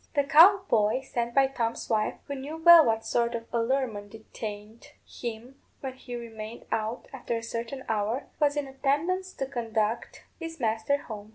The cow boy, sent by Tom's wife, who knew well what sort of allurement detained him when he remained out after a certain hour, was in attendance to conduct his master home.